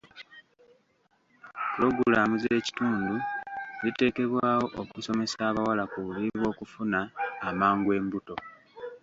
Pulogulaamu z'ekitundu ziteekebwawo okusomesa abawala ku bubi bw'okufuna amangu embuto.